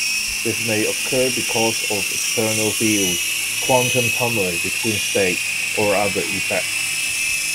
This may occur because of external fields, quantum tunnelling between states, or other effects.